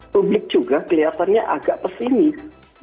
publik juga kelihatannya agak pesimis